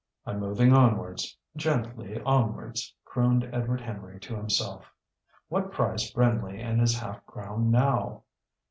"I'm moving onwards gently onwards," crooned Edward Henry to himself. "What price Brindley and his half crown now?"